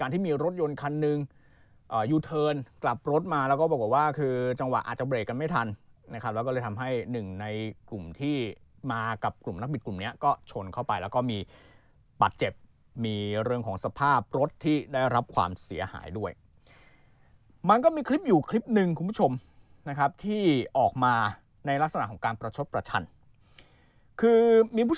ที่มีรถยนต์คันหนึ่งยูเทิร์นกลับรถมาแล้วก็บอกว่าคือจังหวะอาจจะเบรกกันไม่ทันนะครับแล้วก็เลยทำให้หนึ่งในกลุ่มที่มากับกลุ่มนักบิดกลุ่มเนี้ยก็ชนเข้าไปแล้วก็มีบัตรเจ็บมีเรื่องของสภาพรถที่ได้รับความเสียหายด้วยมันก็มีคลิปอยู่คลิปหนึ่งคุณผู้ชมนะครับที่ออกมาในลักษณะของการประชดประชันคือมีผู้